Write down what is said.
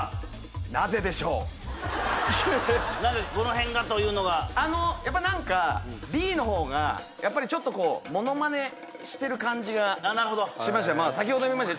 なぜどのへんがというのがあのやっぱ何かＢの方がやっぱりちょっとこうモノマネしてる感じがしましたまあ先ほどいいました